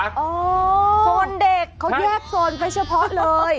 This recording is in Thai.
โซนเด็กเขาแยกโซนไปเฉพาะเลย